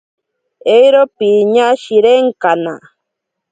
Eiro piñashirenkana.